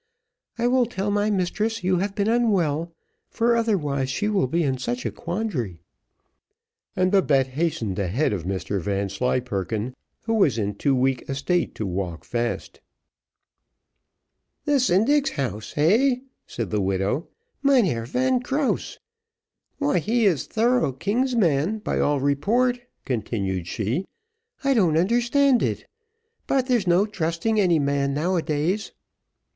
I will tell my mistress you have been unwell, for otherwise she will be in such a quandary;" and Babette hastened ahead of Mr Vanslyperken, who was in too weak a state to walk fast. "The syndic's house heh!" said the widow, "Mynheer Van Krause. Why he is thorough king's man, by all report," continued she. "I don't understand it. But there is no trusting any man now a days.